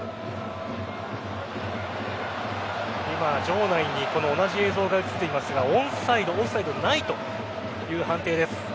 今、場内に同じ映像が映っていますがオンサイド、オフサイドないという判定です。